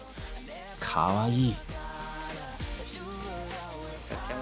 かわいい！